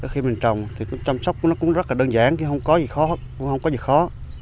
khi mình trồng thì chăm sóc nó cũng rất đơn giản không có gì khó